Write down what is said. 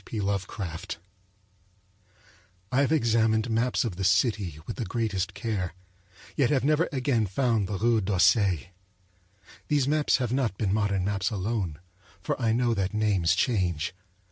P. Lovecraft I have examined maps of the city with the greatest care, yet have never again found the Rue d'Auseil. These maps have not been modern maps alone, for I know that names change.